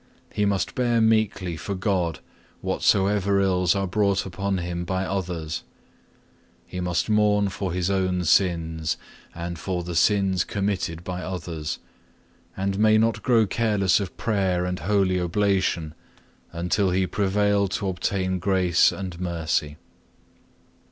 He must bear meekly for God whatsoever ills are brought upon him by others. He must mourn for his own sins, and for the sins committed by others, and may not grow careless of prayer and holy oblation, until he prevail to obtain grace and mercy.